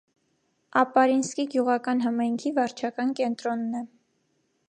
Ապարինսկի գյուղական համայնքի վարչական կենտրոնն է։